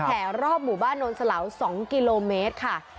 แห่รอบหมู่บ้านโนนสลาว๒กิโลเมตรค่ะ